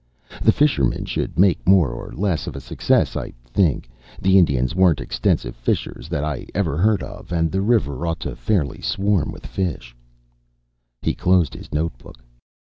The fishermen should make more or less of a success, I think. The Indians weren't extensive fishers that I ever heard of, and the river ought fairly to swarm with fish." He closed his note book.